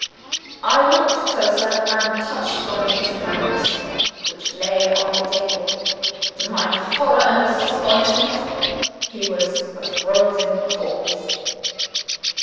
I looked closer, and touched one of his hands which lay on the table. To my horror and astonishment, he was a frozen corpse.